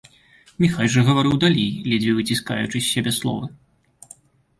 Міхась жа гаварыў далей, ледзьве выціскаючы з сябе словы.